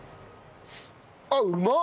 あっうまっ！